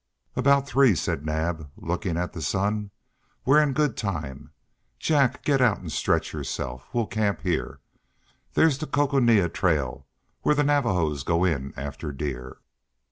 "About three," said Naab, looking at the sun. "We're in good time. Jack, get out and stretch yourself. We camp here. There's the Coconina Trail where the Navajos go in after deer."